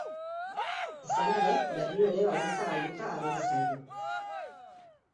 Izan ere berriro ere balantza galduta ageri zaigu.